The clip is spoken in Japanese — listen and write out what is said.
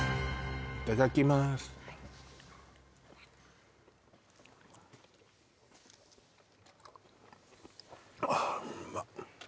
いただきますはいああうまっ